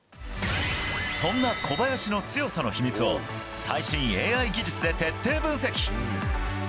そんな小林の強さの秘密を最新ＡＩ技術で徹底分析。